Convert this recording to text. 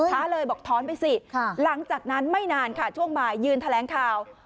เลยบอกถอนไปสิหลังจากนั้นไม่นานค่ะช่วงบ่ายยืนแถลงข่าว